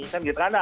kan gitu kan